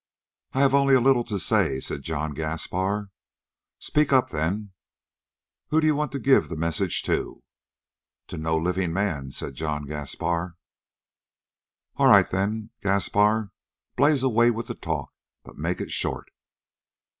"I have only a little to say," said John Gaspar. "Speak up then. Who d'you want to give the messages to?" "To no living man," said John Gaspar. "All right then, Gaspar. Blaze away with the talk, but make it short."